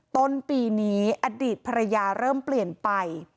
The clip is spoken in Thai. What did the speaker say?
ต้นปีนี้อดีตภรรยาเริ่มเปลี่ยนไป